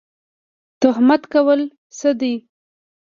تهمت کول څه دي؟